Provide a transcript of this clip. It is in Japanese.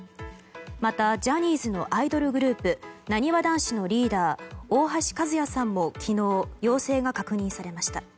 またジャニーズのアイドルグループなにわ男子のリーダー大橋和也さんも昨日陽性が確認されました。